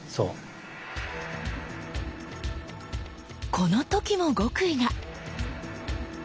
この時も極意が！